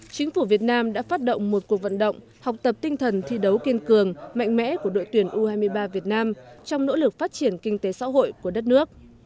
chính phủ việt nam đã phát động một cuộc vận động học tập tinh thần thi đấu kiên cường mạnh mẽ của đội tuyển u hai mươi ba việt nam trong nỗ lực phát triển kinh tế xã hội của đất nước